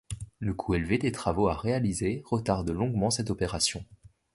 Le coût élevé des travaux à réaliser retarde longtemps cette opération.